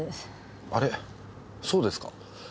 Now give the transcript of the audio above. あれっそうですか？